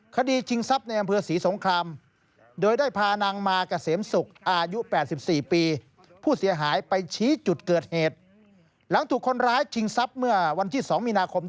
คดีชิงทรัพย์ในอำเภอศรีสงคราม